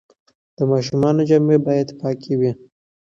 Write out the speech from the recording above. د ماشومانو جامې باید پاکې وي.